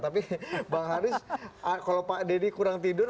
tapi bang haris kalau pak deddy kurang tidur